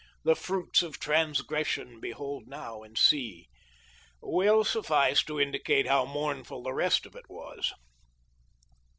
The fruits of transgression behold now and see," will suffice to indicate how mournful the rest of it was.